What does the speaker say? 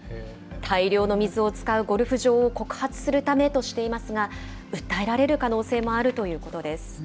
大量の水を使うゴルフ場を告発するためとしていますが、訴えられる可能性もあるということです。